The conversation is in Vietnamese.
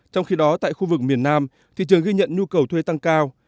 trong khi đó tại khu vực miền nam thị trường ghi nhận nhu cầu thuê tăng cao